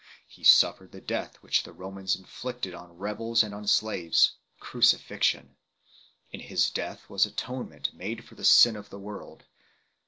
He suffered the death which the Romans inflicted on rebels and on slaves crucifixion. In His death was Atonement made for the sin of the world.